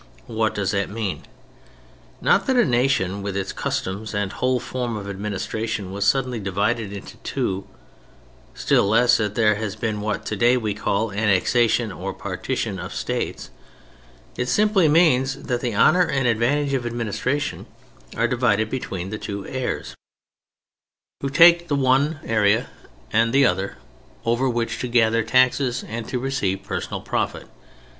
What does that mean? Not that a nation with its customs and its whole form of administration was suddenly divided into two, still less that there has been what today we call "annexation" or "partition" of states. It simply means that the honor and advantage of administration are divided between the two heirs, who take, the one the one area, the other the other, over which to gather taxes and to receive personal profit.